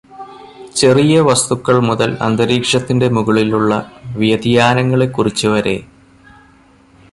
ചെറിയ വസ്തുക്കൾ മുതൽ അന്തരീക്ഷത്തിന്റെ മുകളിലുള്ള വ്യതിയാനങ്ങളെക്കുറിച്ച് വരെ